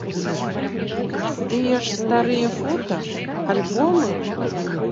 Тыя ж старыя фота, альбомы?